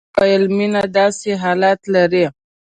ځوان وويل مينه داسې حالات لري.